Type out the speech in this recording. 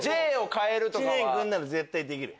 いや知念君なら絶対できる！